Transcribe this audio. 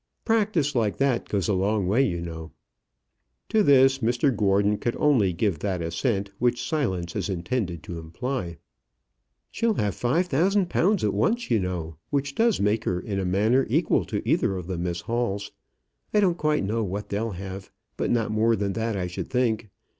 A practice like that goes a long way, you know." To this Mr Gordon could only give that assent which silence is intended to imply. "She'll have £5000 at once, you know, which does make her in a manner equal to either of the Miss Halls. I don't quite know what they'll have, but not more than that, I should think.